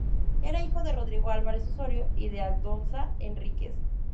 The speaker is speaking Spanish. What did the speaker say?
Era hijo de Rodrigo Álvarez Osorio y de Aldonza Enríquez.